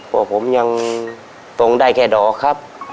ก็ผมยังส่งได้แค่ด๋อครับ